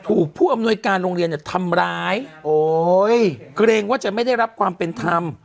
ผู้อำนวยการโรงเรียนเนี่ยทำร้ายโอ้ยเกรงว่าจะไม่ได้รับความเป็นธรรม